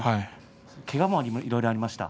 けがもいろいろありました。